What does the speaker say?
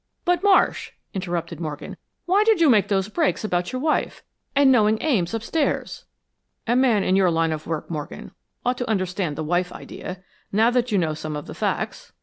"But Marsh," interrupted Morgan. "Why did you make those breaks about your wife, and knowing Ames upstairs?" "A man in your line of work, Morgan, ought to understand the wife idea, now that you know some of the facts.